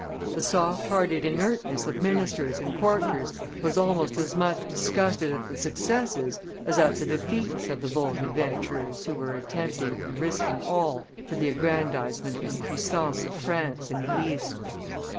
The soft hearted inertness of ministers and courtiers was almost as much disgusted at the successes as at the defeats of the bold adventurers who were attempting and risking all for the aggrandizement and puissance of France in the East.